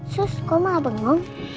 sus kok malah bengong